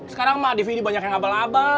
sekarang mah dvd banyak yang abal abal